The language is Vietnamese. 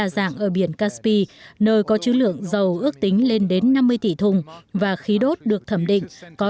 dạng ở biển kaspi nơi có chữ lượng dầu ước tính lên đến năm mươi tỷ thùng và khí đốt được thẩm định có